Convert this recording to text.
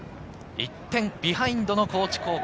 １点ビハインドの高知高校。